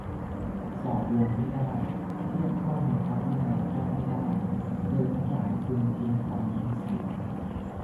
สอบลงไม่ได้ เทียบเข้าในวินัยก็ไม่ได้ เธอทั้งหลายพึงทิ้งคำนั้นเสีย